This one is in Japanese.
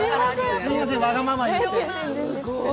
すみません、わがまま言って。